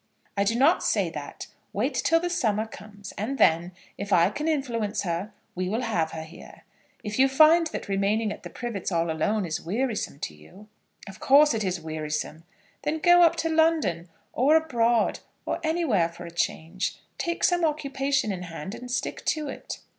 "I do not say that. Wait till the summer comes; and then, if I can influence her, we will have her here. If you find that remaining at the Privets all alone is wearisome to you " "Of course it is wearisome." "Then go up to London or abroad or anywhere for a change. Take some occupation in hand and stick to it."